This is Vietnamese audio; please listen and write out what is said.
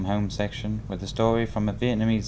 qua câu chuyện của một người dân việt nam